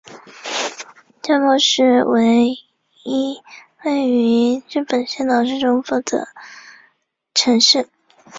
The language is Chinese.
加茂市为一位于日本新舄县中部的城市。